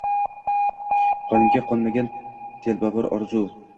Qonimga qonmagan telbavor orzu.